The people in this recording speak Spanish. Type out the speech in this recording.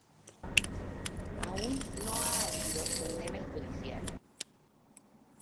Aún no ha habido condena judicial.